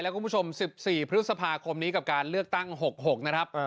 คุณผู้ชม๑๔พฤษภาคมนี้กับการเลือกตั้ง๖๖นะครับ